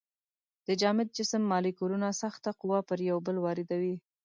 د جامد جسم مالیکولونه سخته قوه پر یو بل واردوي.